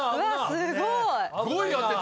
すごいね！